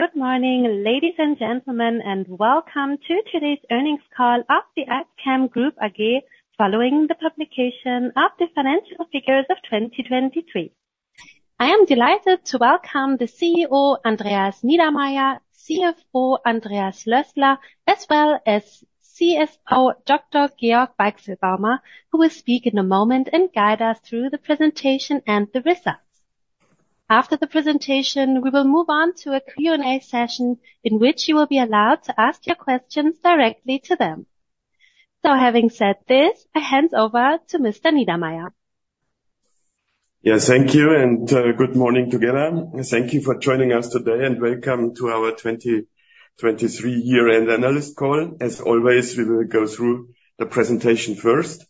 Good morning, ladies and gentlemen, and welcome to today's earnings call of the AlzChem Group AG following the publication of the financial figures of 2023. I am delighted to welcome the CEO Andreas Niedermaier, CFO Andreas Lösler, as well as CSO Dr. Georg Weichselbaumer, who will speak in a moment and guide us through the presentation and the results. After the presentation, we will move on to a Q&A session in which you will be allowed to ask your questions directly to them. So having said this, I hand over to Mr. Niedermaier. Yeah, thank you, and good morning together. Thank you for joining us today, and welcome to our 2023 year-end analyst call. As always, we will go through the presentation first,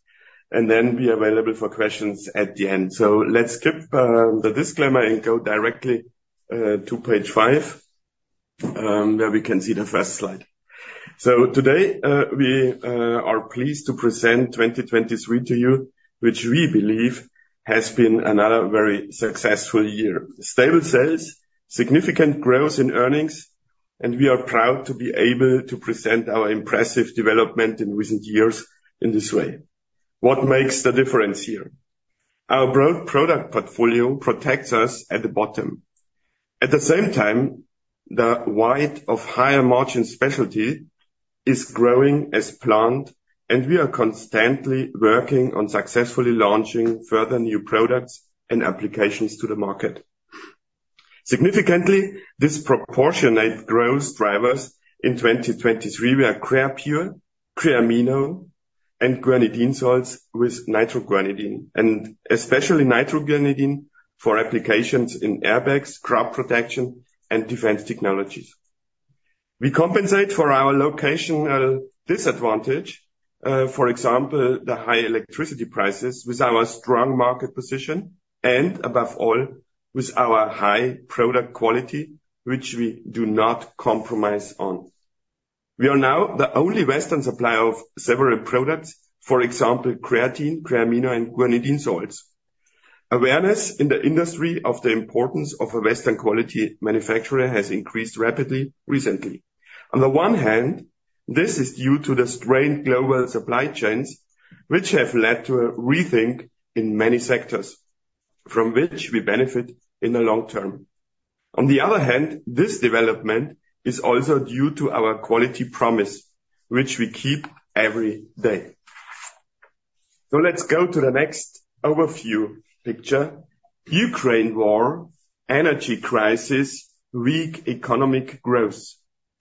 and then be available for questions at the end. So let's skip the disclaimer and go directly to page five, where we can see the first slide. So today we are pleased to present 2023 to you, which we believe has been another very successful year: stable sales, significant growth in earnings, and we are proud to be able to present our impressive development in recent years in this way. What makes the difference here? Our broad product portfolio protects us at the bottom. At the same time, the weight of higher margin specialty is growing as planned, and we are constantly working on successfully launching further new products and applications to the market. Significantly, this proportionate growth drivers in 2023 were Creapure, Creamino, and guanidine salts with nitroguanidine, and especially nitroguanidine for applications in airbags, crop protection, and defense technologies. We compensate for our locational disadvantage, for example, the high electricity prices, with our strong market position, and above all, with our high product quality, which we do not compromise on. We are now the only Western supplier of several products, for example, creatine, Creamino, and guanidine salts. Awareness in the industry of the importance of a Western-quality manufacturer has increased rapidly recently. On the one hand, this is due to the strained global supply chains, which have led to a rethink in many sectors, from which we benefit in the long term. On the other hand, this development is also due to our quality promise, which we keep every day. Let's go to the next overview picture: Ukraine war, energy crisis, weak economic growth.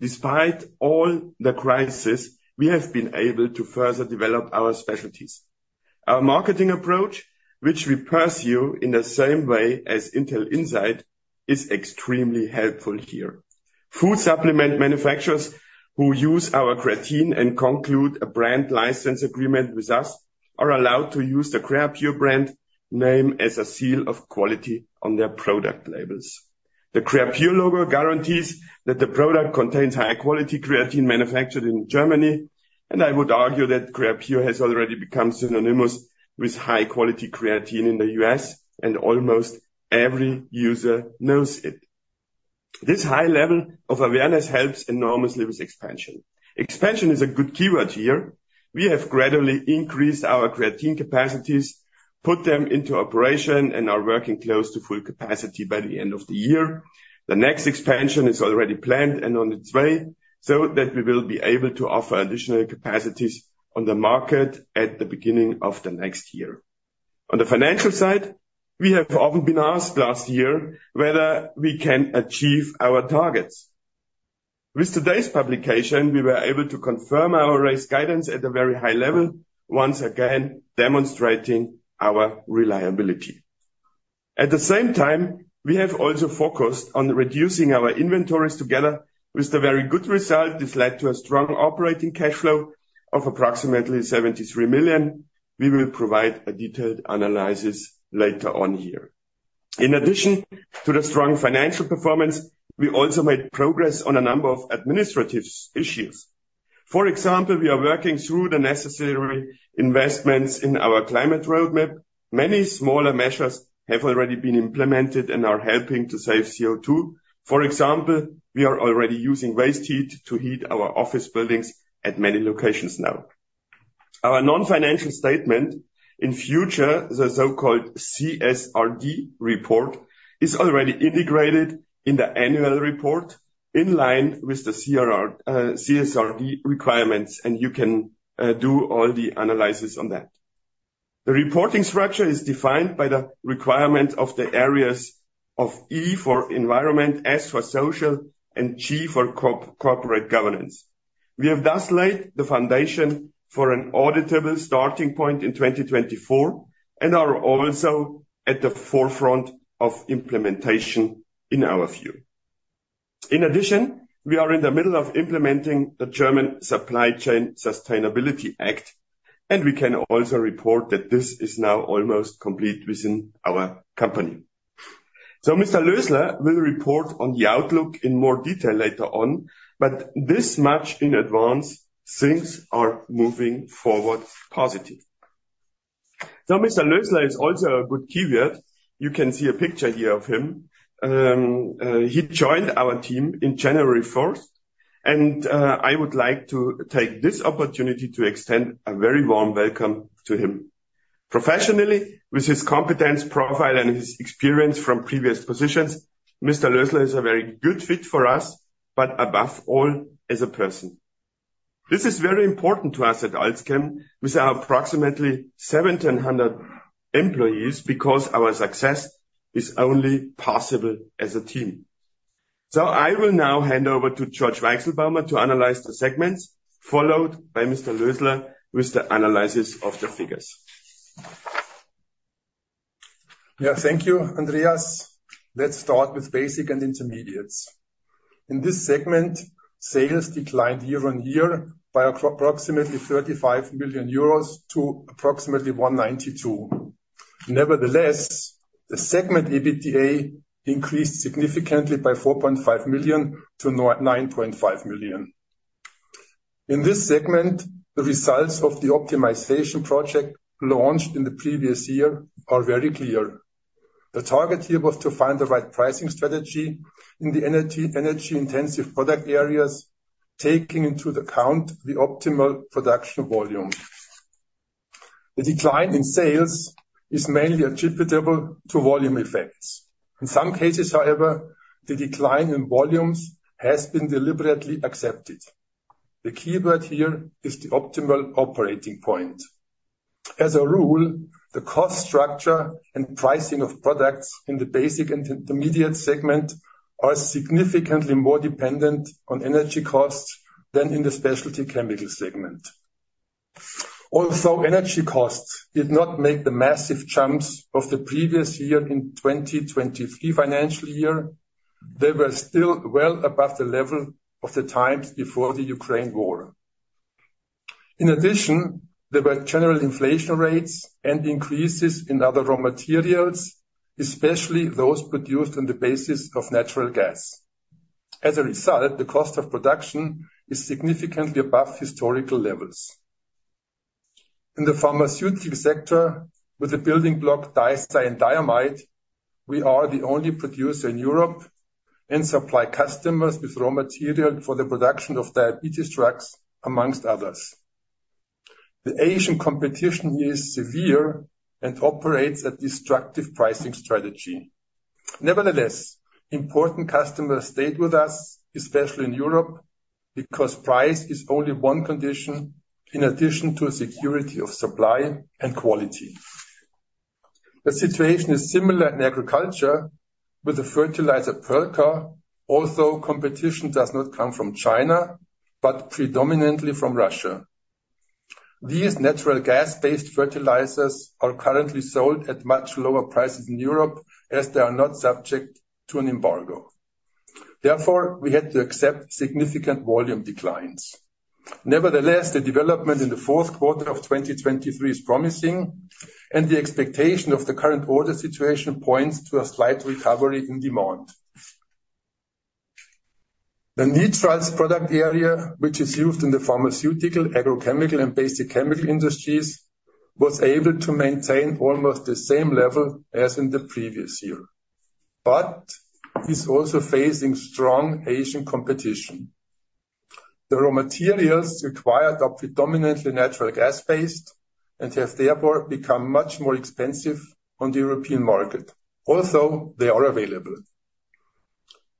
Despite all the crises, we have been able to further develop our specialties. Our marketing approach, which we pursue in the same way as Intel Inside, is extremely helpful here. Food supplement manufacturers who use our creatine and conclude a brand license agreement with us are allowed to use the Creapure brand name as a seal of quality on their product labels. The Creapure logo guarantees that the product contains high-quality creatine manufactured in Germany, and I would argue that Creapure has already become synonymous with high-quality creatine in the U.S., and almost every user knows it. This high level of awareness helps enormously with expansion. Expansion is a good keyword here. We have gradually increased our creatine capacities, put them into operation, and are working close to full capacity by the end of the year. The next expansion is already planned and on its way so that we will be able to offer additional capacities on the market at the beginning of the next year. On the financial side, we have often been asked last year whether we can achieve our targets. With today's publication, we were able to confirm our raised guidance at a very high level, once again demonstrating our reliability. At the same time, we have also focused on reducing our inventories together. With the very good result, this led to a strong operating cash flow of approximately 73 million. We will provide a detailed analysis later on here. In addition to the strong financial performance, we also made progress on a number of administrative issues. For example, we are working through the necessary investments in our climate roadmap. Many smaller measures have already been implemented and are helping to save CO2. For example, we are already using waste heat to heat our office buildings at many locations now. Our non-financial statement, in future the so-called CSRD report, is already integrated in the annual report in line with the CSRD requirements, and you can do all the analysis on that. The reporting structure is defined by the requirement of the areas of E for environment, S for social, and G for corporate governance. We have thus laid the foundation for an auditable starting point in 2024 and are also at the forefront of implementation in our view. In addition, we are in the middle of implementing the German Supply Chain Sustainability Act, and we can also report that this is now almost complete within our company. So Mr. Lösler will report on the outlook in more detail later on, but this much in advance, things are moving forward positive. So Mr. Lösler is also a good keyword. You can see a picture here of him. He joined our team on January 1st, and I would like to take this opportunity to extend a very warm welcome to him. Professionally, with his competence profile and his experience from previous positions, Mr. Lösler is a very good fit for us, but above all as a person. This is very important to us at AlzChem with our approximately 1,700 employees because our success is only possible as a team. So I will now hand over to Georg Weichselbaumer to analyze the segments, followed by Mr. Lösler with the analysis of the figures. Yeah, thank you, Andreas. Let's start with Basics and Intermediates. In this segment, sales declined year-on-year by approximately 35 million euros to approximately 192 million. Nevertheless, the segment EBITDA increased significantly by 4.5 million to 9.5 million. In this segment, the results of the optimization project launched in the previous year are very clear. The target here was to find the right pricing strategy in the energy-intensive product areas, taking into account the optimal production volume. The decline in sales is mainly attributable to volume effects. In some cases, however, the decline in volumes has been deliberately accepted. The keyword here is the optimal operating point. As a rule, the cost structure and pricing of products in the Basics and Intermediates segment are significantly more dependent on energy costs than in the Specialty Chemical segment. Although energy costs did not make the massive jumps of the previous year in 2023 financial year, they were still well above the level of the times before the Ukraine War. In addition, there were general inflation rates and increases in other raw materials, especially those produced on the basis of natural gas. As a result, the cost of production is significantly above historical levels. In the pharmaceutical sector, with the building block dicyandiamide we are the only producer in Europe and supply customers with raw material for the production of diabetes drugs, among others. The Asian competition here is severe and operates a destructive pricing strategy. Nevertheless, important customers stayed with us, especially in Europe, because price is only one condition in addition to security of supply and quality. The situation is similar in agriculture with the fertilizer Perlka, although competition does not come from China but predominantly from Russia. These natural gas-based fertilizers are currently sold at much lower prices in Europe as they are not subject to an embargo. Therefore, we had to accept significant volume declines. Nevertheless, the development in the fourth quarter of 2023 is promising, and the expectation of the current order situation points to a slight recovery in demand. The nitriles product area, which is used in the pharmaceutical, agrochemical, and basic chemical industries, was able to maintain almost the same level as in the previous year, but is also facing strong Asian competition. The raw materials required are predominantly natural gas-based and have therefore become much more expensive on the European market. Also, they are available.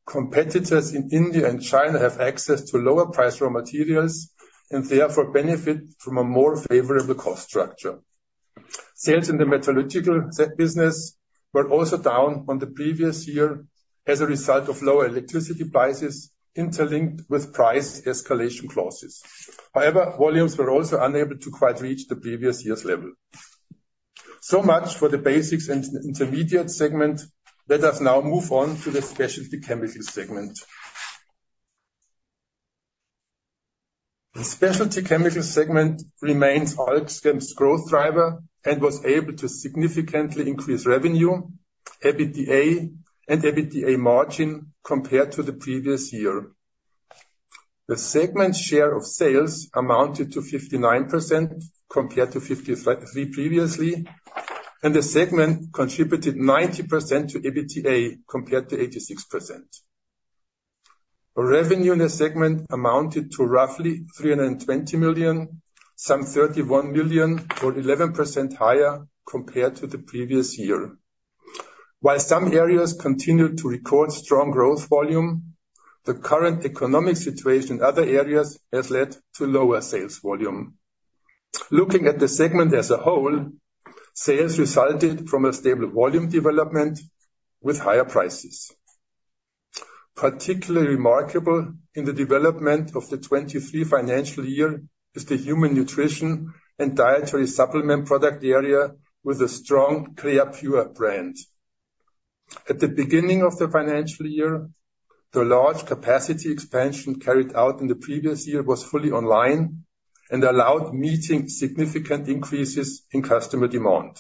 Competitors in India and China have access to lower-priced raw materials and therefore benefit from a more favorable cost structure. Sales in the Metallurgical business were also down on the previous year as a result of lower electricity prices interlinked with price escalation clauses. However, volumes were also unable to quite reach the previous year's level. So much for the Basics and Intermediates segment. Let us now move on to the Specialty Chemical segment. The Specialty Chemical segment remains Alzchem's growth driver and was able to significantly increase revenue, EBITDA, and EBITDA margin compared to the previous year. The segment share of sales amounted to 59% compared to 53% previously, and the segment contributed 90% to EBITDA compared to 86%. Revenue in the segment amounted to roughly 320 million, some 31 million, or 11% higher compared to the previous year. While some areas continue to record strong growth volume, the current economic situation in other areas has led to lower sales volume. Looking at the segment as a whole, sales resulted from a stable volume development with higher prices. Particularly remarkable in the development of the 2023 financial year is the human nutrition and dietary supplement product area with the strong Creapure brand. At the beginning of the financial year, the large capacity expansion carried out in the previous year was fully online and allowed meeting significant increases in customer demand.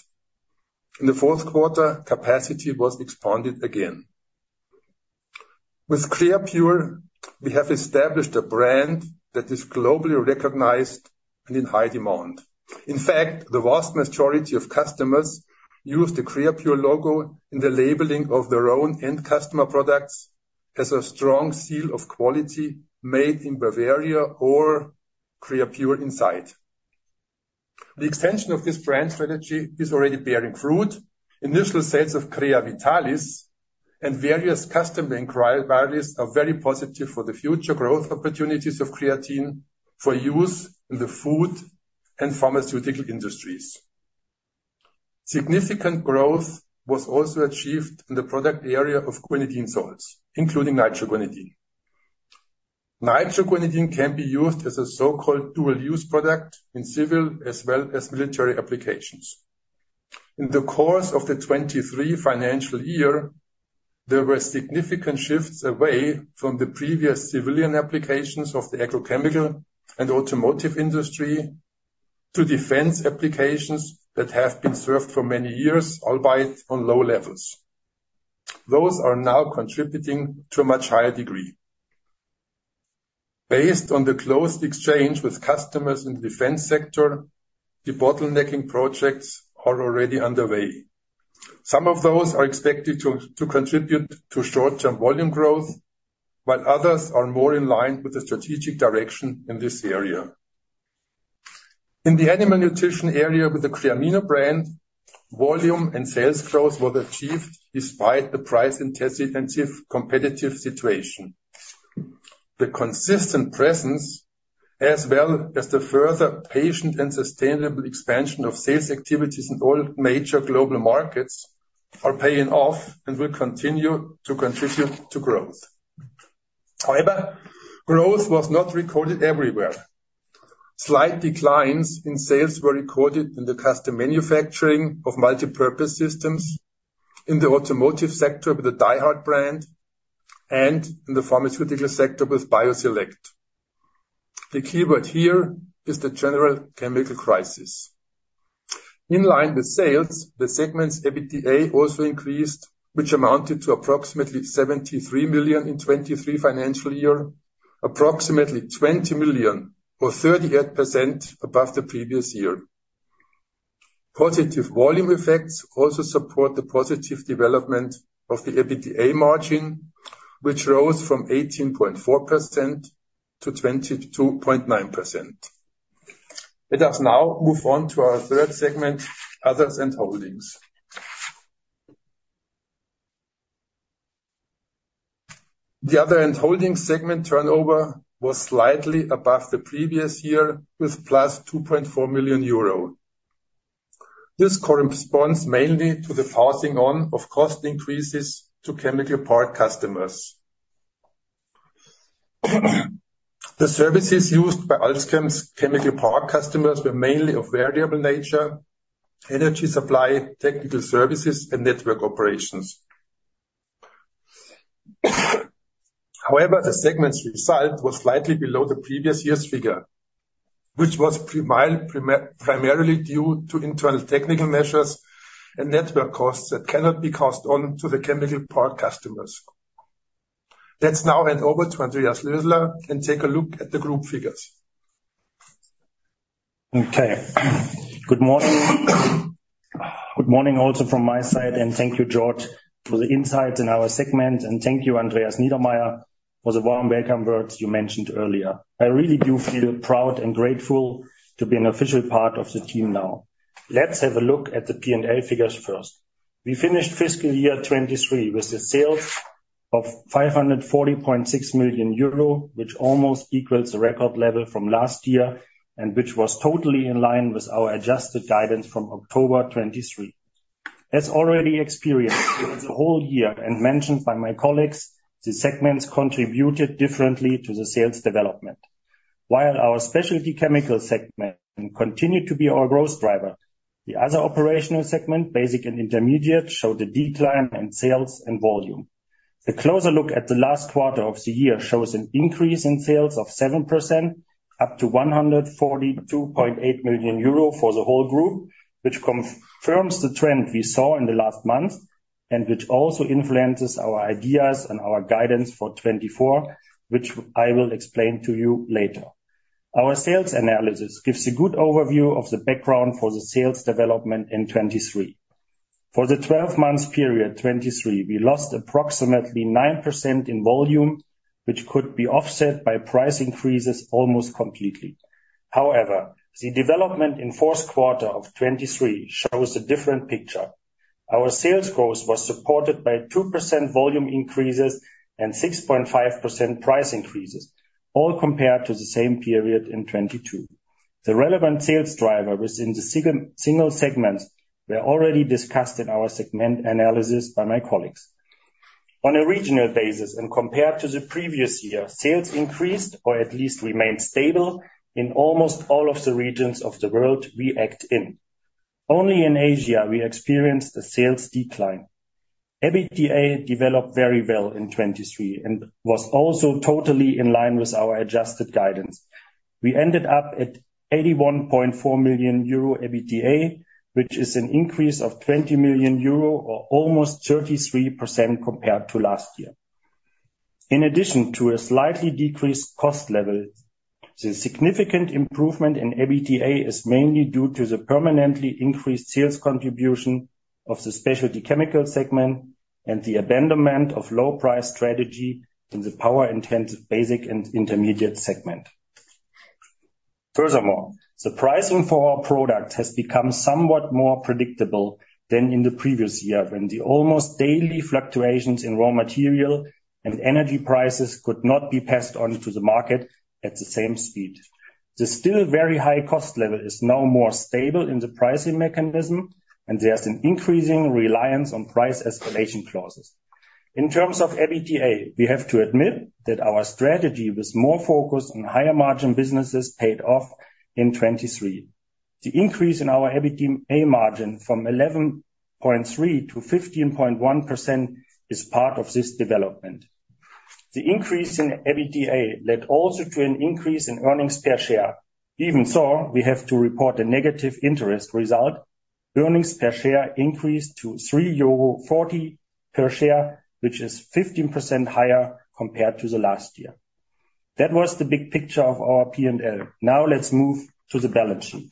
In the fourth quarter, capacity was expanded again. With Creapure, we have established a brand that is globally recognized and in high demand. In fact, the vast majority of customers use the Creapure logo in the labeling of their own end customer products as a strong seal of quality made in Bavaria or Creapure Inside. The extension of this brand strategy is already bearing fruit. Initial sales of Creavitalis and various custom brand varieties are very positive for the future growth opportunities of creatine for use in the food and pharmaceutical industries. Significant growth was also achieved in the product area of guanidine salts, including nitroguanidine. Nitroguanidine can be used as a so-called dual-use product in civil as well as military applications. In the course of the 2023 financial year, there were significant shifts away from the previous civilian applications of the agrochemical and automotive industry to defense applications that have been served for many years, albeit on low levels. Those are now contributing to a much higher degree. Based on the close exchange with customers in the defense sector, the bottlenecking projects are already underway. Some of those are expected to contribute to short-term volume growth, while others are more in line with the strategic direction in this area. In the animal nutrition area with the Creamino brand, volume and sales growth were achieved despite the price-intensive competitive situation. The consistent presence, as well as the further patient and sustainable expansion of sales activities in all major global markets, are paying off and will continue to contribute to growth. However, growth was not recorded everywhere. Slight declines in sales were recorded in the custom manufacturing of multipurpose systems, in the automotive sector with the Dyhard brand, and in the pharmaceutical sector with BioSelect. The keyword here is the general chemical crisis. In line with Sales, the segment's EBITDA also increased, which amounted to approximately 73 million in 2023 financial year, approximately 20 million or 38% above the previous year. Positive volume effects also support the positive development of the EBITDA margin, which rose from 18.4% to 22.9%. Let us now move on to our third segment, Others and Holdings. The Other and Holdings segment turnover was slightly above the previous year with +2.4 million euro. This corresponds mainly to the passing on of cost increases to Chemiepark customers. The services used by Alzchem's Chemiepark customers were mainly of variable nature: energy supply, technical services, and network operations. However, the segment's result was slightly below the previous year's figure, which was primarily due to internal technical measures and network costs that cannot be passed on to the Chemiepark customers. Let's now hand over to Andreas Lösler and take a look at the group figures. Okay. Good morning. Good morning also from my side. And thank you, Georg, for the insights in our segment. And thank you, Andreas Niedermaier, for the warm welcome words you mentioned earlier. I really do feel proud and grateful to be an official part of the team now. Let's have a look at the P&L figures first. We finished fiscal year 2023 with sales of 540.6 million euro, which almost equals the record level from last year and which was totally in line with our adjusted guidance from October 2023. As already experienced throughout the whole year and mentioned by my colleagues, the segments contributed differently to the sales development. While our Specialty Chemical segment continued to be our growth driver, the other operational segment, Basics and Intermediates, showed a decline in sales and volume. The closer look at the last quarter of the year shows an increase in sales of 7% up to 142.8 million euro for the whole group, which confirms the trend we saw in the last month and which also influences our ideas and our guidance for 2024, which I will explain to you later. Our sales analysis gives a good overview of the background for the sales development in 2023. For the 12-month period 2023, we lost approximately 9% in volume, which could be offset by price increases almost completely. However, the development in fourth quarter of 2023 shows a different picture. Our sales growth was supported by 2% volume increases and 6.5% price increases, all compared to the same period in 2022. The relevant sales driver within the single segments were already discussed in our segment analysis by my colleagues. On a regional basis and compared to the previous year, sales increased or at least remained stable in almost all of the regions of the world we act in. Only in Asia we experienced a sales decline. EBITDA developed very well in 2023 and was also totally in line with our adjusted guidance. We ended up at 81.4 million euro EBITDA, which is an increase of 20 million euro or almost 33% compared to last year. In addition to a slightly decreased cost level, the significant improvement in EBITDA is mainly due to the permanently increased sales contribution of the Specialty Chemical segment and the abandonment of low-price strategy in the power-intensive Basics and Intermediates segment. Furthermore, the pricing for our products has become somewhat more predictable than in the previous year when the almost daily fluctuations in raw material and energy prices could not be passed on to the market at the same speed. The still very high cost level is now more stable in the pricing mechanism, and there's an increasing reliance on price escalation clauses. In terms of EBITDA, we have to admit that our strategy with more focus on higher margin businesses paid off in 2023. The increase in our EBITDA margin from 11.3% to 15.1% is part of this development. The increase in EBITDA led also to an increase in earnings per share. Even so, we have to report a negative interest result. Earnings per share increased to 3.40 euro per share, which is 15% higher compared to the last year. That was the big picture of our P&L. Now let's move to the balance sheet.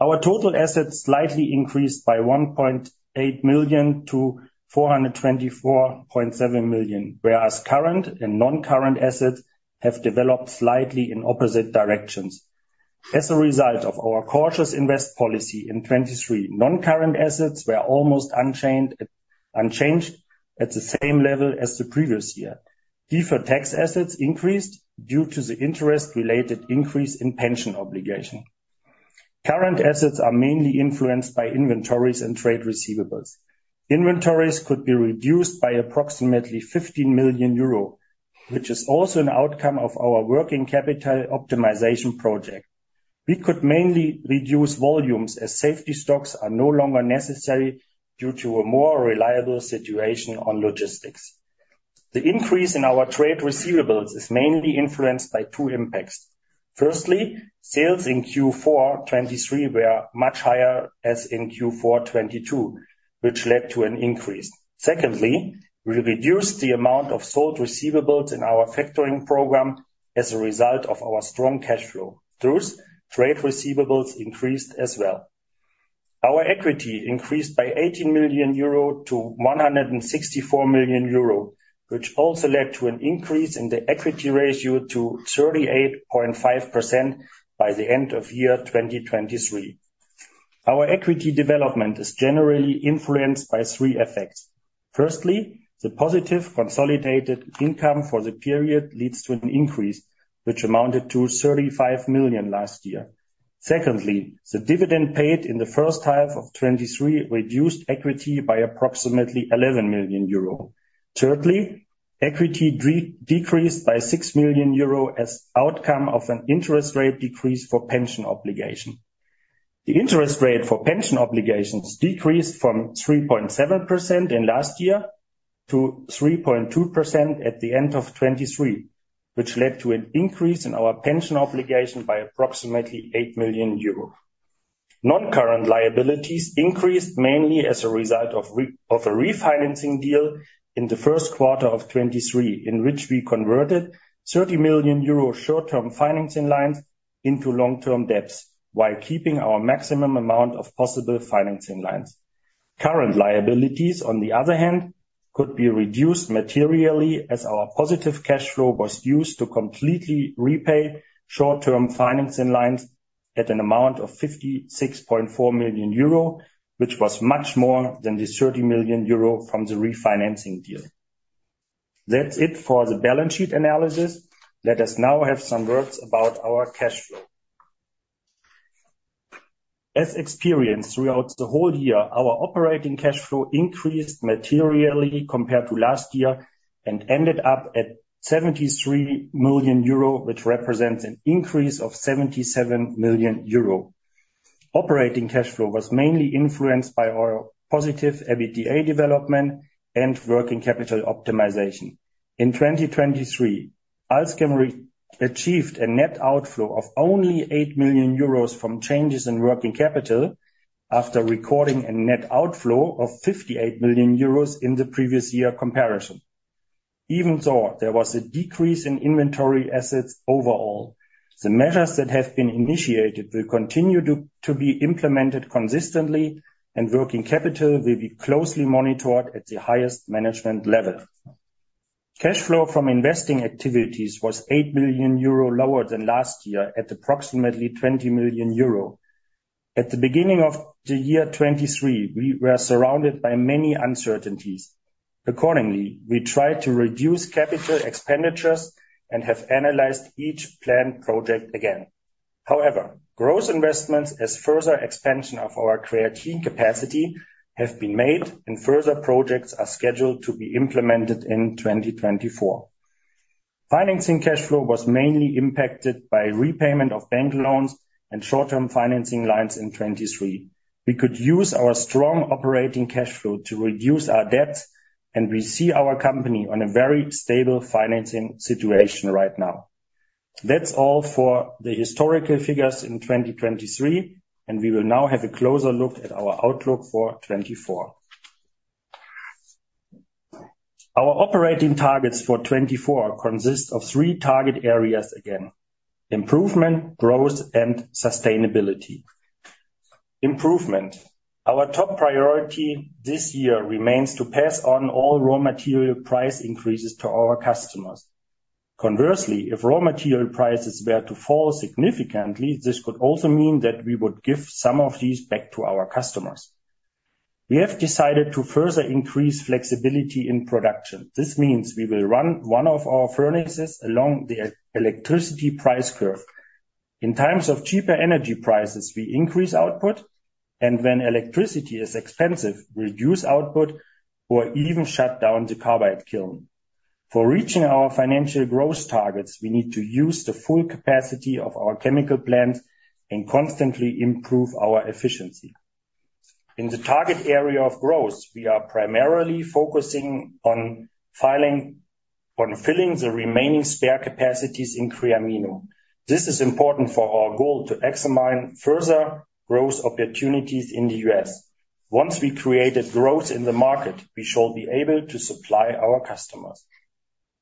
Our total assets slightly increased by 1.8 million to 424.7 million, whereas current and non-current assets have developed slightly in opposite directions. As a result of our cautious investment policy in 2023, non-current assets were almost unchanged at the same level as the previous year. Deferred tax assets increased due to the interest-related increase in pension obligation. Current assets are mainly influenced by inventories and trade receivables. Inventories could be reduced by approximately 15 million euro, which is also an outcome of our working capital optimization project. We could mainly reduce volumes as safety stocks are no longer necessary due to a more reliable situation on logistics. The increase in our trade receivables is mainly influenced by two impacts. Firstly, sales in Q4 2023 were much higher as in Q4 2022, which led to an increase. Secondly, we reduced the amount of sold receivables in our factoring program as a result of our strong cash flow. Thus, trade receivables increased as well. Our equity increased by 18 million euro to 164 million euro, which also led to an increase in the equity ratio to 38.5% by the end of year 2023. Our equity development is generally influenced by three effects. Firstly, the positive consolidated income for the period leads to an increase, which amounted to 35 million last year. Secondly, the dividend paid in the first half of 2023 reduced equity by approximately 11 million euro. Thirdly, equity decreased by 6 million euro as an outcome of an interest rate decrease for pension obligations. The interest rate for pension obligations decreased from 3.7% in last year to 3.2% at the end of 2023, which led to an increase in our pension obligation by approximately 8 million euro. Non-current liabilities increased mainly as a result of a refinancing deal in the first quarter of 2023, in which we converted 30 million euro short-term finance in lines into long-term debts while keeping our maximum amount of possible finance in lines. Current liabilities, on the other hand, could be reduced materially as our positive cash flow was used to completely repay short-term finance in lines at an amount of 56.4 million euro, which was much more than the 30 million euro from the refinancing deal. That's it for the balance sheet analysis. Let us now have some words about our cash flow. As experienced throughout the whole year, our operating cash flow increased materially compared to last year and ended up at 73 million euro, which represents an increase of 77 million euro. Operating cash flow was mainly influenced by our positive EBITDA development and working capital optimization. In 2023, AlzChem achieved a net outflow of only 8 million euros from changes in working capital after recording a net outflow of 58 million euros in the previous year comparison. Even so, there was a decrease in inventory assets overall. The measures that have been initiated will continue to be implemented consistently, and working capital will be closely monitored at the highest management level. Cash flow from investing activities was 8 million euro lower than last year at approximately 20 million euro. At the beginning of the year 2023, we were surrounded by many uncertainties. Accordingly, we tried to reduce capital expenditures and have analyzed each planned project again. However, gross investments as further expansion of our creatine capacity have been made, and further projects are scheduled to be implemented in 2024. Financing cash flow was mainly impacted by repayment of bank loans and short-term financing lines in 2023. We could use our strong operating cash flow to reduce our debts, and we see our company in a very stable financing situation right now. That's all for the historical figures in 2023, and we will now have a closer look at our outlook for 2024. Our operating targets for 2024 consist of three target areas again: improvement, growth, and sustainability. Improvement: our top priority this year remains to pass on a raw material price increases to our customers. Conversely, if raw material prices were to fall significantly, this could also mean that we would give some of these back to our customers. We have decided to further increase flexibility in production. This means we will run one of our furnaces along the electricity price curve. In times of cheaper energy prices, we increase output, and when electricity is expensive, reduce output or even shut down the carbide kiln. For reaching our financial growth targets, we need to use the full capacity of our chemical plants and constantly improve our efficiency. In the target area of growth, we are primarily focusing on filling the remaining spare capacities in Creamino. This is important for our goal to examine further growth opportunities in the U.S. Once we created growth in the market, we shall be able to supply our customers.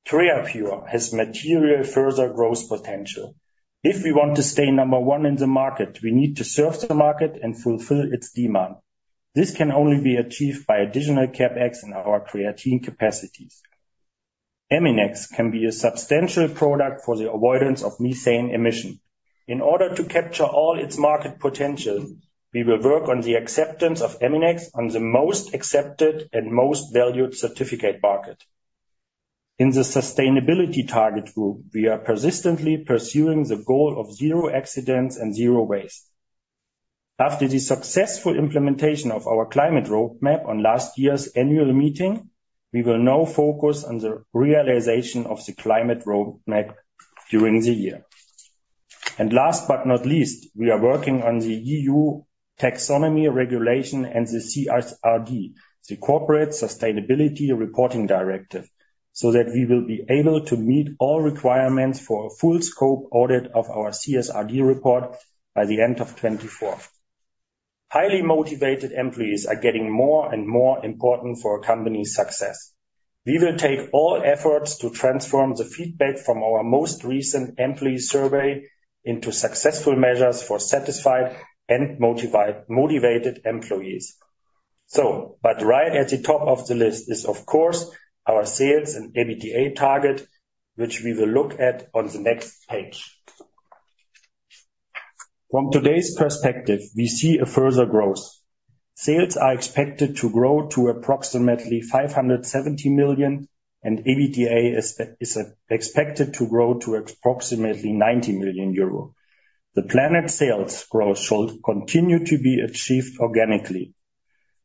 Creapure has material further growth potential. If we want to stay number one in the market, we need to serve the market and fulfill its demand. This can only be achieved by additional CapEx in our creatine capacities. Eminex can be a substantial product for the avoidance of methane emission. In order to capture all its market potential, we will work on the acceptance of Eminex on the most accepted and most valued certificate market. In the sustainability target group, we are persistently pursuing the goal of zero accidents and zero waste. After the successful implementation of our climate roadmap on last year's annual meeting, we will now focus on the realization of the climate roadmap during the year. And last but not least, we are working on the EU Taxonomy Regulation and the CSRD, the Corporate Sustainability Reporting Directive, so that we will be able to meet all requirements for a full-scope audit of our CSRD report by the end of 2024. Highly motivated employees are getting more and more important for a company's success. We will take all efforts to transform the feedback from our most recent employee survey into successful measures for satisfied and motivated employees. But right at the top of the list is, of course, our sales and EBITDA target, which we will look at on the next page. From today's perspective, we see further growth. Sales are expected to grow to approximately 570 million, and EBITDA is expected to grow to approximately 90 million euro. The planned sales growth shall continue to be achieved organically.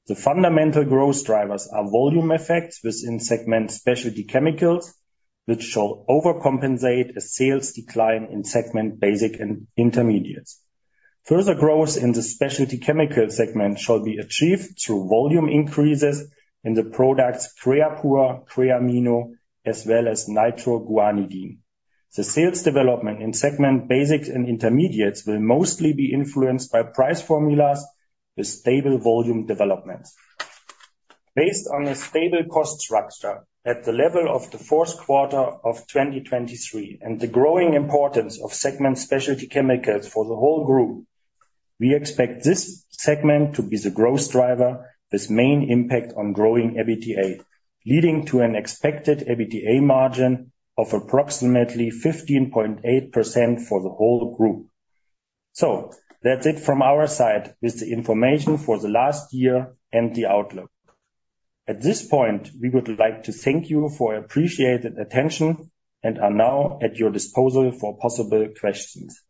The fundamental growth drivers are volume effects within segment Specialty Chemicals, which shall overcompensate a sales decline in segment Basics and Intermediates. Further growth in the Specialty Chemical segment shall be achieved through volume increases in the products Creapure, Creamino, as well as nitroguanidine. The sales development in segment Basics and Intermediates will mostly be influenced by price formulas with stable volume developments. Based on a stable cost structure at the level of the fourth quarter of 2023 and the growing importance of segment Specialty Chemicals for the whole group, we expect this segment to be the growth driver with main impact on growing EBITDA, leading to an expected EBITDA margin of approximately 15.8% for the whole group. So that's it from our side with the information for the last year and the outlook. At this point, we would like to thank you for your appreciated attention and are now at your disposal for possible questions.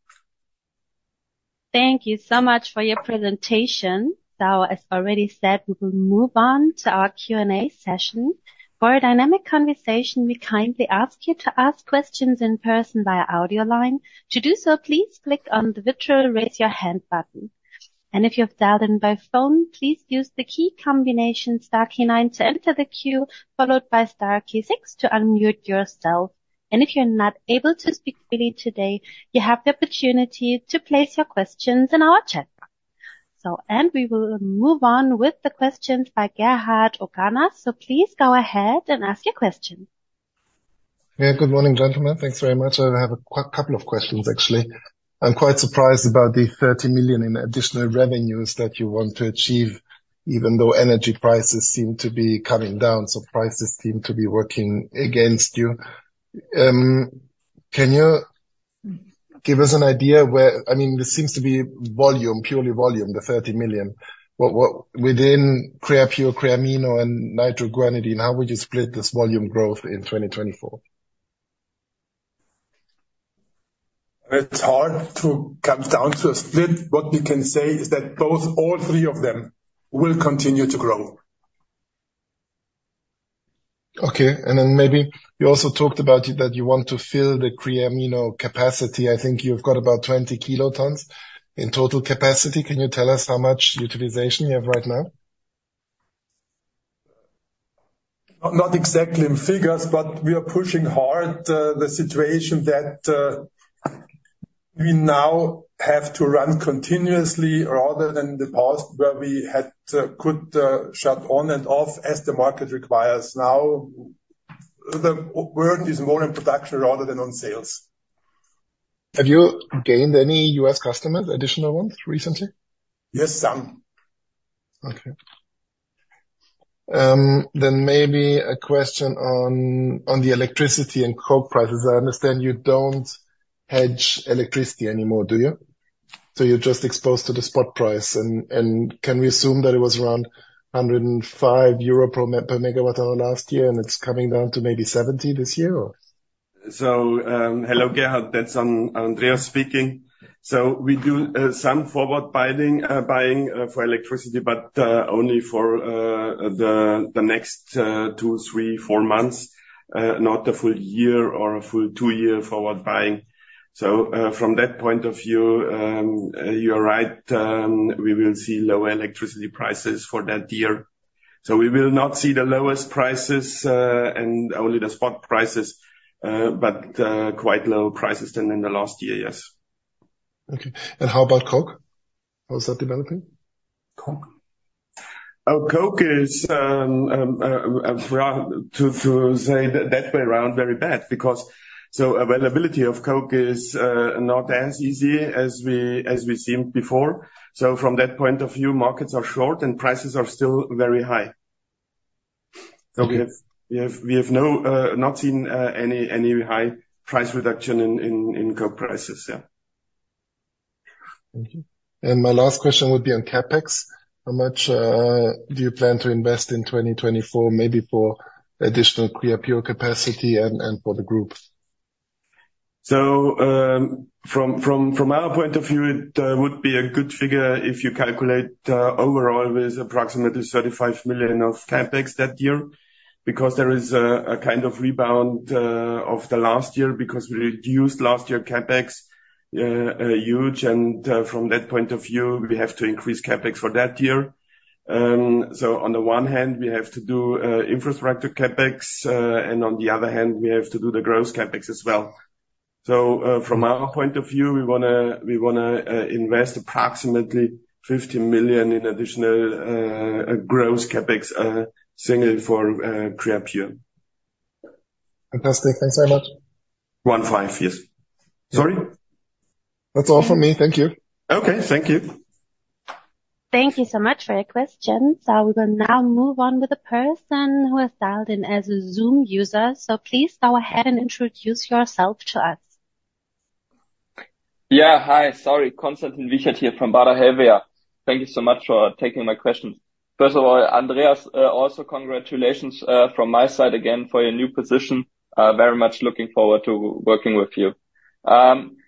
Thank you so much for your presentation. So, as already said, we will move on to our Q&A session. For a dynamic conversation, we kindly ask you to ask questions in person via audio line. To do so, please click on the virtual raise your hand button. And if you have dialed in by phone, please use the key combination star key nine to enter the queue, followed by star key six to unmute yourself. And if you're not able to speak freely today, you have the opportunity to place your questions in our chat box. And we will move on with the questions by Gerhard Orgonas. So please go ahead and ask your questions. Yeah, good morning, gentlemen. Thanks very much. I have a couple of questions, actually. I'm quite surprised about the 30 million in additional revenues that you want to achieve, even though energy prices seem to be coming down. So prices seem to be working against you. Can you give us an idea where I mean, this seems to be volume, purely volume, the 30 million. Within Creapure, Creamino, and nitroguanidine, how would you split this volume growth in 2024? It's hard to come down to a split. What we can say is that both all three of them will continue to grow. Okay. And then maybe you also talked about that you want to fill the Creamino capacity. I think you've got about 20 kilotons in total capacity. Can you tell us how much utilization you have right now? Not exactly in figures, but we are pushing hard the situation that we now have to run continuously rather than in the past where we could shut on and off as the market requires. Now, the work is more in production rather than on sales. Have you gained any U.S. customers, additional ones, recently? Yes, some. Okay. Then maybe a question on the electricity and coke prices. I understand you don't hedge electricity anymore, do you? So you're just exposed to the spot price. And can we assume that it was around 105 euro per MWh last year, and it's coming down to maybe 70 this year, or? Hello, Gerhard. That's Andreas speaking. We do some forward buying for electricity, but only for the next two, three, four months, not a full year or a full two-year forward buying. From that point of view, you're right. We will see lower electricity prices for that year. We will not see the lowest prices and only the spot prices, but quite low prices than in the last year, yes. Okay. And how about coke? How is that developing? Coke? Oh, coke is, to say that way around, very bad because availability of coke is not as easy as we seemed before. So from that point of view, markets are short and prices are still very high. We have not seen any high price reduction in coke prices, yeah. Thank you. My last question would be on CapEx. How much do you plan to invest in 2024, maybe for additional Creapure capacity and for the group? From our point of view, it would be a good figure if you calculate overall with approximately 35 million of CapEx that year because there is a kind of rebound of the last year because we reduced last year CapEx huge. From that point of view, we have to increase CapEx for that year. On the one hand, we have to do infrastructure CapEx, and on the other hand, we have to do the gross CapEx as well. From our point of view, we want to invest approximately 15 million in additional gross CapEx single for Creapure. Fantastic. Thanks very much. 15, yes. Sorry? That's all from me. Thank you. Okay. Thank you. Thank you so much for your questions. We will now move on with a person who has dialed in as a Zoom user. So please go ahead and introduce yourself to us. Yeah, hi. Sorry. Konstantin Wiechert here from Baader Helvea. Thank you so much for taking my questions. First of all, Andreas, also congratulations from my side again for your new position. Very much looking forward to working with you.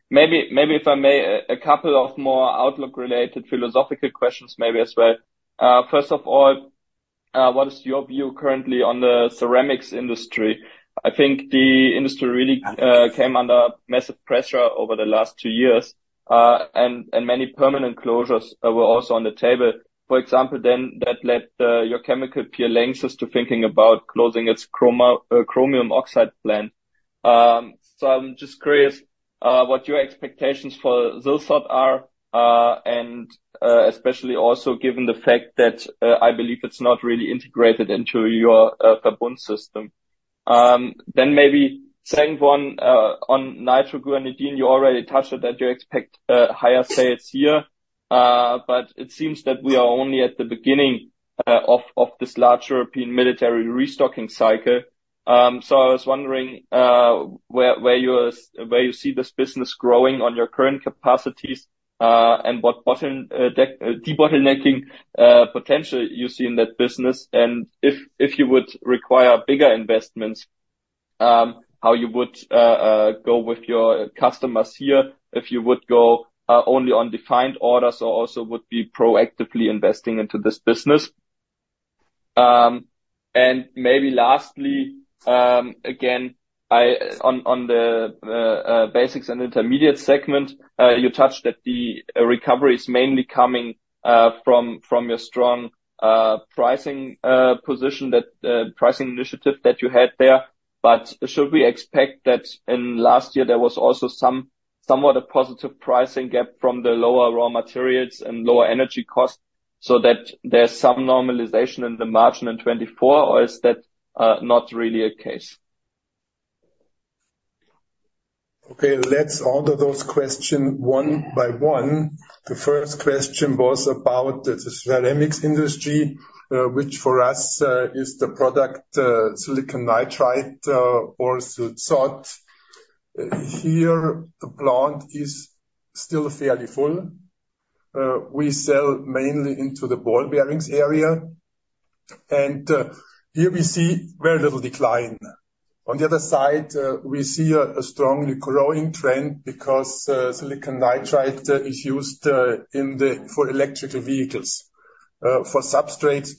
Maybe if I may, a couple of more outlook-related philosophical questions maybe as well. First of all, what is your view currently on the ceramics industry? I think the industry really came under massive pressure over the last two years, and many permanent closures were also on the table. For example, then that led your chemical peer Lanxess to thinking about closing its chromium oxide plant. So I'm just curious what your expectations for Silzot are, and especially also given the fact that I believe it's not really integrated into your Verbund System. Then maybe second one, on nitroguanidine, you already touched it that you expect higher sales here, but it seems that we are only at the beginning of this large European military restocking cycle. So I was wondering where you see this business growing on your current capacities and what debottlenecking potential you see in that business. And if you would require bigger investments, how you would go with your customers here, if you would go only on defined orders or also would be proactively investing into this business. And maybe lastly, again, on the Basics and Intermediates segment, you touched that the recovery is mainly coming from your strong pricing initiative that you had there. Should we expect that in last year, there was also somewhat a positive pricing gap from the lower raw materials and lower energy cost so that there's some normalization in the margin in 2024, or is that not really the case? Okay. Let's answer those questions one by one. The first question was about the ceramics industry, which for us is the product silicon nitride or Silzot. Here, the plant is still fairly full. We sell mainly into the ball bearings area. And here we see very little decline. On the other side, we see a strongly growing trend because silicon nitride is used for electric vehicles, for substrates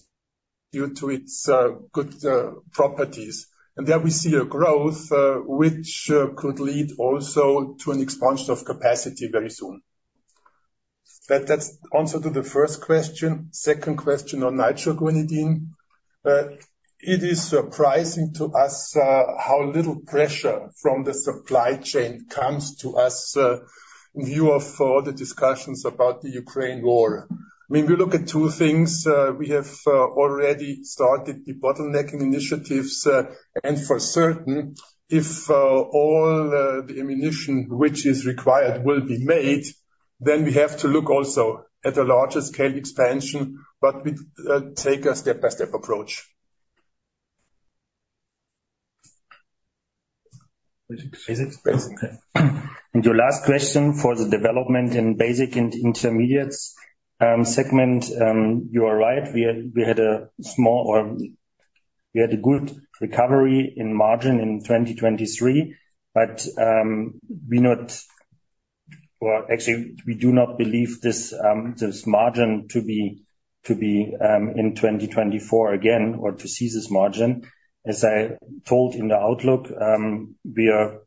due to its good properties. And there we see a growth, which could lead also to an expansion of capacity very soon. That's the answer to the first question. Second question on nitroguanidine. It is surprising to us how little pressure from the supply chain comes to us in view of all the discussions about the Ukraine war. I mean, we look at two things. We have already started debottlenecking initiatives. For certain, if all the ammunition which is required will be made, then we have to look also at a larger-scale expansion, but with a take a step-by-step approach. Basics. Basics. Okay. Your last question for the development in Basics and Intermediates segment, you are right. We had a good recovery in margin in 2023, but actually, we do not believe this margin to be in 2024 again or to see this margin. As I told in the outlook, we are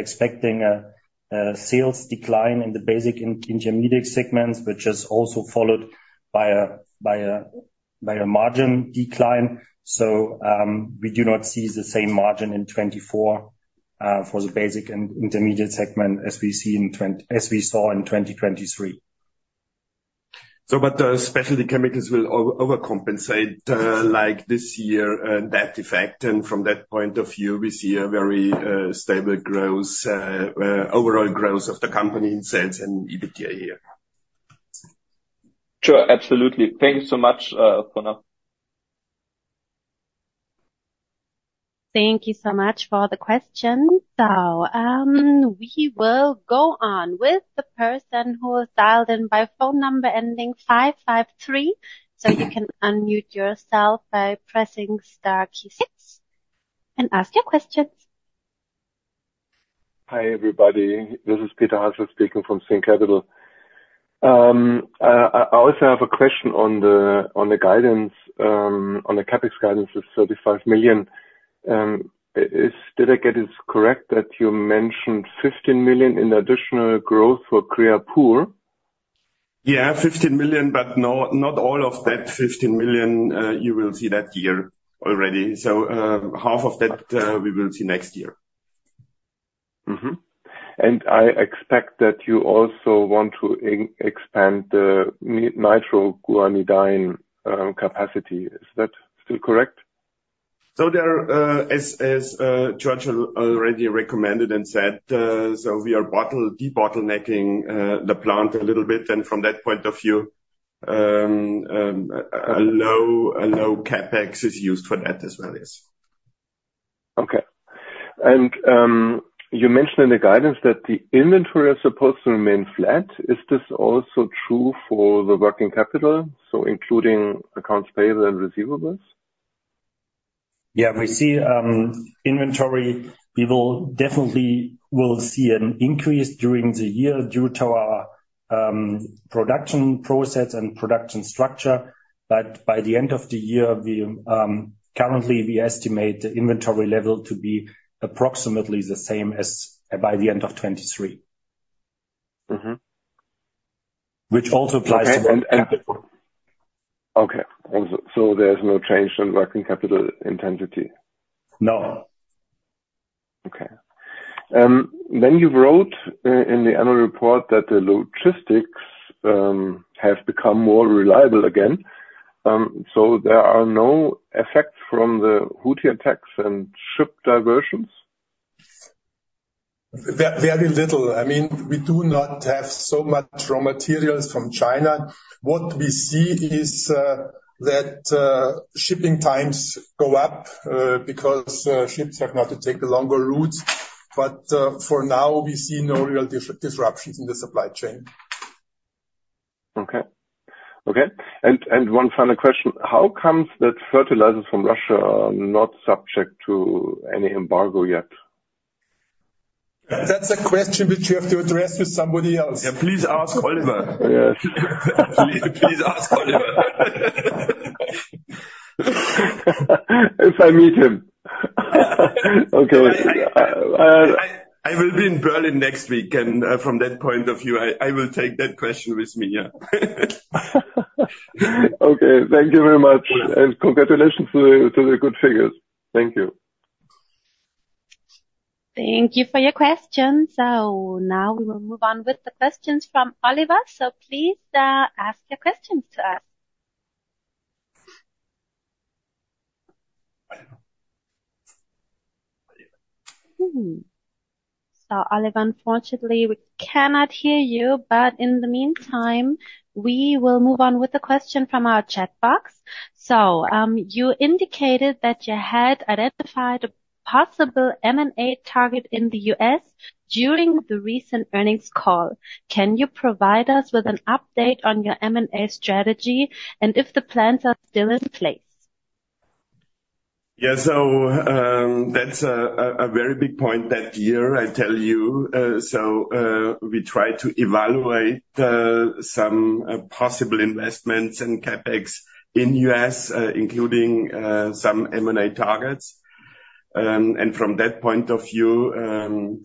expecting a sales decline in the Basics and Intermediates segments, which is also followed by a margin decline. So we do not see the same margin in 2024 for the Basics and Intermediates segment as we saw in 2023. The specialty chemicals will overcompensate this year in that effect. From that point of view, we see a very stable overall growth of the company in sales and EBITDA here. Sure. Absolutely. Thanks so much for now. Thank you so much for the questions. We will go on with the person who has dialed in by phone number ending 553. You can unmute yourself by pressing star key six and ask your questions. Hi, everybody. This is Peter Hasler speaking from Sphene Capital. I also have a question on the guidance. On the CapEx guidance, it's 35 million. Did I get it correct that you mentioned 15 million in additional growth for Creapure? Yeah, 15 million, but not all of that 15 million, you will see that year already. So half of that, we will see next year. I expect that you also want to expand the nitroguanidine capacity. Is that still correct? So there, as Georg already recommended and said, so we are debottlenecking the plant a little bit. From that point of view, a low CapEx is used for that as well, yes. Okay. You mentioned in the guidance that the inventory is supposed to remain flat. Is this also true for the working capital, so including accounts payable and receivables? Yeah, we see inventory. We definitely will see an increase during the year due to our production process and production structure. But by the end of the year, currently, we estimate the inventory level to be approximately the same as by the end of 2023, which also applies to working capital. Okay. And okay. So there's no change in working capital intensity? No. Okay. You wrote in the annual report that the logistics have become more reliable again. There are no effects from the Houthi attacks and ship diversions? Very little. I mean, we do not have so much raw materials from China. What we see is that shipping times go up because ships have not to take the longer routes. But for now, we see no real disruptions in the supply chain. Okay. Okay. And one final question. How comes that fertilizers from Russia are not subject to any embargo yet? That's a question which you have to address with somebody else. Yeah. Please ask Oliver. Yes. Please ask Oliver. If I meet him. Okay. I will be in Berlin next week. From that point of view, I will take that question with me, yeah. Okay. Thank you very much. Congratulations to the good figures. Thank you. Thank you for your questions. So now we will move on with the questions from Oliver. So please ask your questions to us. So Oliver, unfortunately, we cannot hear you. But in the meantime, we will move on with the question from our chat box. So you indicated that you had identified a possible M&A target in the U.S. during the recent earnings call. Can you provide us with an update on your M&A strategy and if the plans are still in place? Yeah. So that's a very big point that year, I tell you. So we tried to evaluate some possible investments and CapEx in the U.S., including some M&A targets. And from that point of view,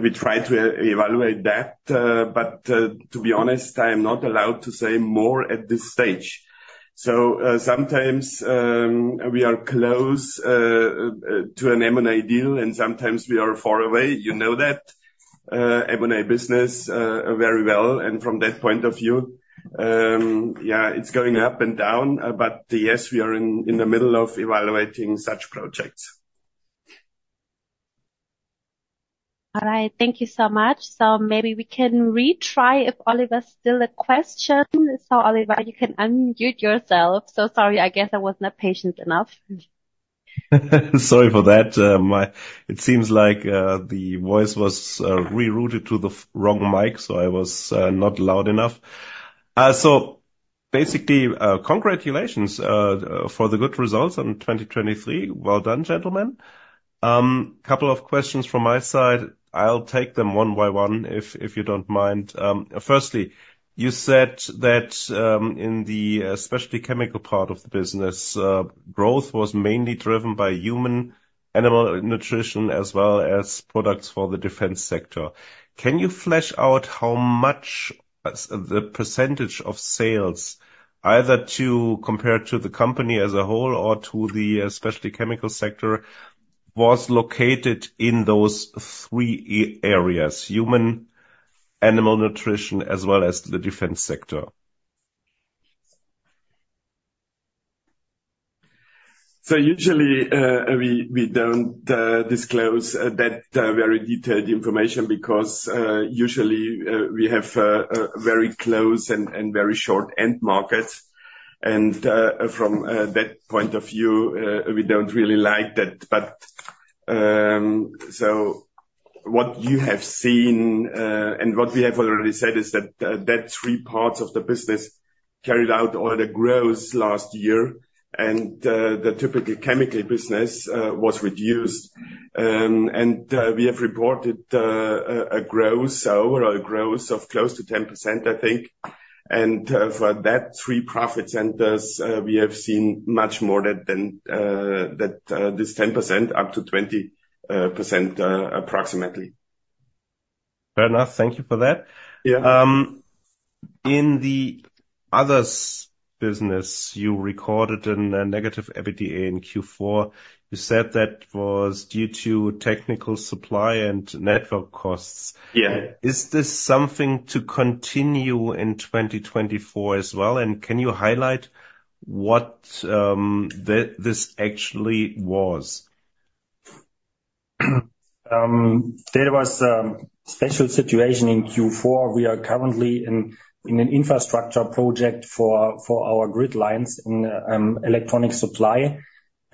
we tried to evaluate that. But to be honest, I am not allowed to say more at this stage. So sometimes we are close to an M&A deal, and sometimes we are far away. You know that M&A business very well. And from that point of view, yeah, it's going up and down. But yes, we are in the middle of evaluating such projects. All right. Thank you so much. So maybe we can retry if Oliver still a question. So Oliver, you can unmute yourself. So sorry. I guess I was not patient enough. Sorry for that. It seems like the voice was rerouted to the wrong mic, so I was not loud enough. So basically, congratulations for the good results in 2023. Well done, gentlemen. A couple of questions from my side. I'll take them one by one if you don't mind. Firstly, you said that in the Specialty Chemical part of the business, growth was mainly driven by human-animal nutrition as well as products for the defense sector. Can you flesh out how much the percentage of sales, either to compare to the company as a whole or to the specialty chemical sector, was located in those three areas, human-animal nutrition as well as the defense sector? So usually, we don't disclose that very detailed information because usually, we have very close and very short-end markets. And from that point of view, we don't really like that. But so what you have seen and what we have already said is that that three parts of the business carried out all the growth last year, and the typical chemical business was reduced. And we have reported a growth, overall growth of close to 10%, I think. And for that three profit centers, we have seen much more than this 10%, up to 20% approximately. Fair enough. Thank you for that. In the Others' business, you recorded a negative EBITDA in Q4. You said that was due to technical supply and network costs. Is this something to continue in 2024 as well? And can you highlight what this actually was? There was a special situation in Q4. We are currently in an infrastructure project for our grid lines in electronic supply.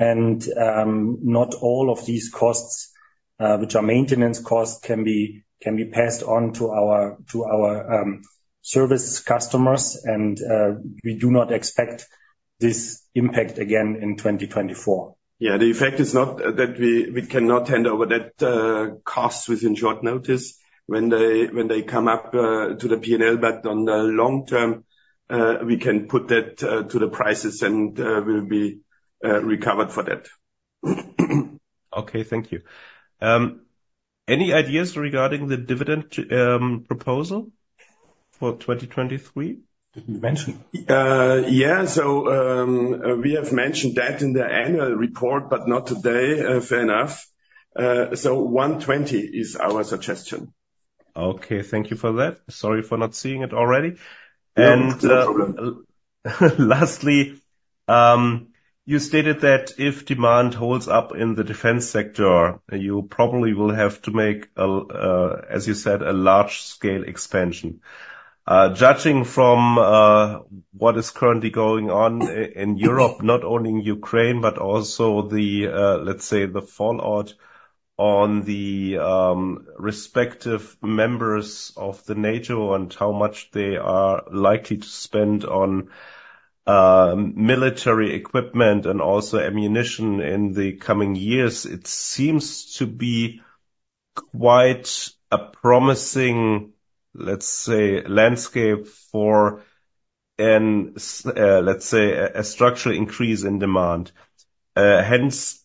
Not all of these costs, which are maintenance costs, can be passed on to our service customers. We do not expect this impact again in 2024. Yeah. The effect is not that we cannot hand over that cost within short notice when they come up to the P&L. But on the long term, we can put that to the prices and will be recovered for that. Okay. Thank you. Any ideas regarding the dividend proposal for 2023? Didn't mention. Yeah. So we have mentioned that in the annual report, but not today, fair enough. So 120 is our suggestion. Okay. Thank you for that. Sorry for not seeing it already. And lastly, you stated that if demand holds up in the defense sector, you probably will have to make, as you said, a large-scale expansion. Judging from what is currently going on in Europe, not only in Ukraine, but also the, let's say, the fallout on the respective members of NATO and how much they are likely to spend on military equipment and also ammunition in the coming years, it seems to be quite a promising, let's say, landscape for, let's say, a structural increase in demand. Hence,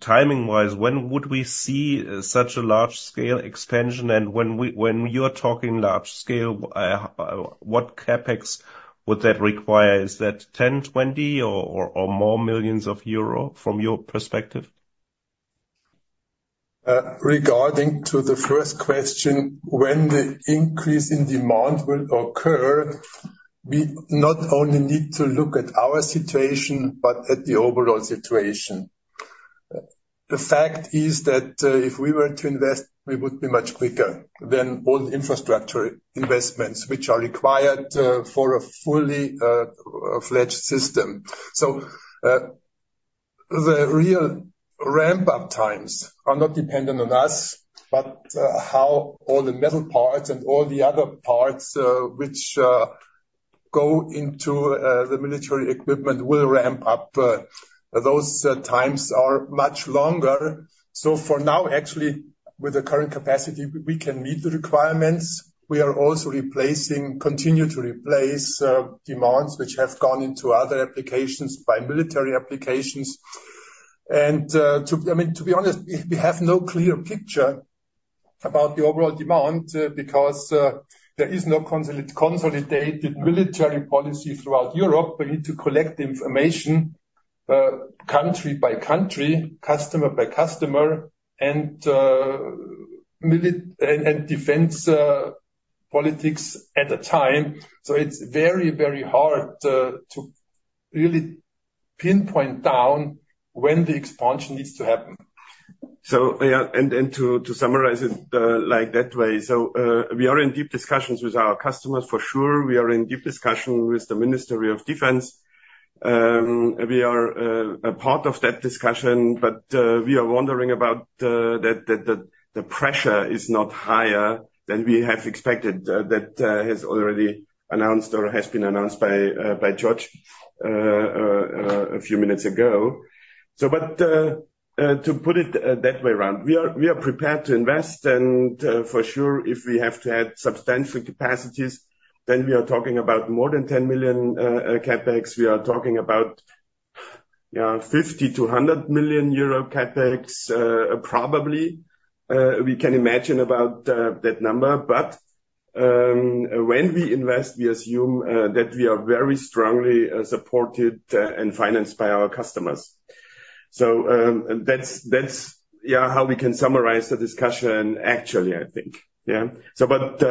timing-wise, when would we see such a large-scale expansion? And when you're talking large-scale, what CapEx would that require? Is that 10 million, 20 million, or more from your perspective? Regarding the first question, when the increase in demand will occur, we not only need to look at our situation, but at the overall situation. The fact is that if we were to invest, we would be much quicker than all the infrastructure investments which are required for a fully fledged system. So the real ramp-up times are not dependent on us, but how all the metal parts and all the other parts which go into the military equipment will ramp up. Those times are much longer. So for now, actually, with the current capacity, we can meet the requirements. We are also continuing to replace demands which have gone into other applications by military applications. And I mean, to be honest, we have no clear picture about the overall demand because there is no consolidated military policy throughout Europe. We need to collect information country by country, customer by customer, and defense politics at a time. So it's very, very hard to really pinpoint down when the expansion needs to happen. So yeah. To summarize it like that way, so we are in deep discussions with our customers, for sure. We are in deep discussion with the Ministry of Defense. We are a part of that discussion. But we are wondering about that the pressure is not higher than we have expected, that has already announced or has been announced by Georg a few minutes ago. To put it that way around, we are prepared to invest. For sure, if we have to add substantial capacities, then we are talking about more than 10 million CapEx. We are talking about, yeah, 50 million-100 million euro CapEx, probably. We can imagine about that number. When we invest, we assume that we are very strongly supported and financed by our customers. So that's, yeah, how we can summarize the discussion actually, I think, yeah. But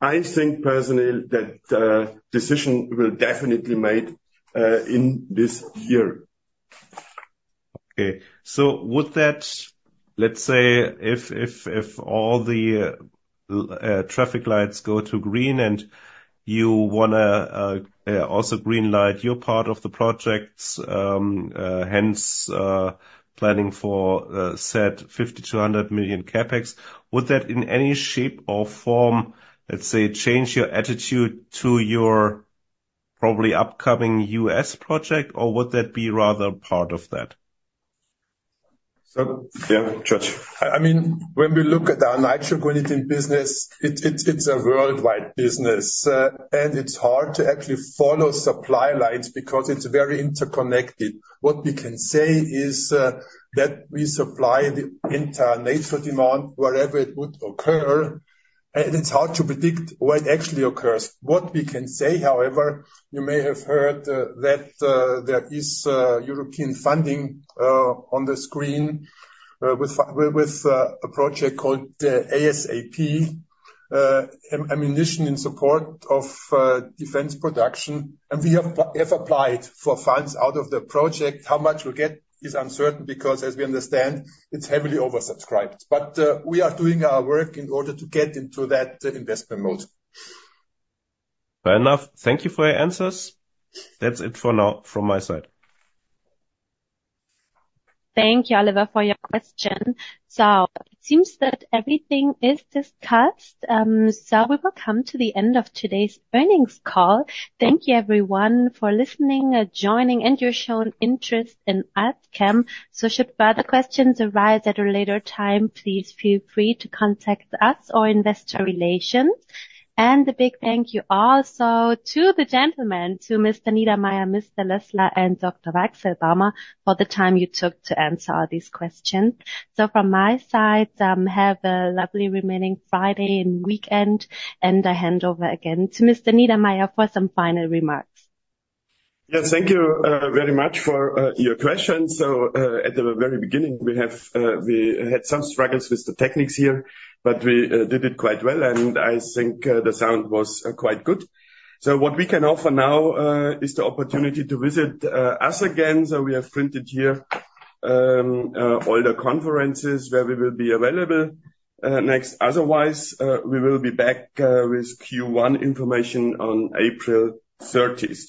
I think personally that decision will definitely be made in this year. Okay. So would that, let's say, if all the traffic lights go to green and you want to also greenlight your part of the projects, hence planning for said 50 million-100 million CapEx, would that in any shape or form, let's say, change your attitude to your probably upcoming U.S. project? Or would that be rather part of that? So yeah, Georg. I mean, when we look at our Nitroguanidine business, it's a worldwide business. And it's hard to actually follow supply lines because it's very interconnected. What we can say is that we supply the entire natural demand wherever it would occur. And it's hard to predict where it actually occurs. What we can say, however, you may have heard that there is European funding on the screen with a project called ASAP, Act in Support of Ammunition Production. And we have applied for funds out of the project. How much we'll get is uncertain because, as we understand, it's heavily oversubscribed. But we are doing our work in order to get into that investment mode. Fair enough. Thank you for your answers. That's it for now from my side. Thank you, Oliver, for your question. It seems that everything is discussed. We will come to the end of today's earnings call. Thank you, everyone, for listening, joining, and your shown interest in Alzchem. Should further questions arise at a later time, please feel free to contact us or investor relations. A big thank you also to the gentlemen, to Mr. Niedermaier, Mr. Lösler, and Dr. Weichselbaumer, for the time you took to answer all these questions. From my side, have a lovely remaining Friday and weekend. I hand over again to Mr. Niedermaier for some final remarks. Yeah. Thank you very much for your questions. At the very beginning, we had some struggles with the techniques here, but we did it quite well. I think the sound was quite good. What we can offer now is the opportunity to visit us again. We have printed here all the conferences where we will be available next. Otherwise, we will be back with Q1 information on April 30th.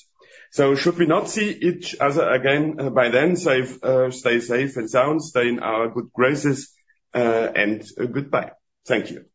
Should we not see each other again by then, stay safe and sound, stay in our good graces, and goodbye. Thank you.